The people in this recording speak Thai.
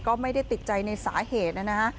ก็ไม่ได้ติดใจในสาเหตุนะฮะ